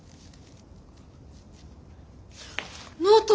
ノート！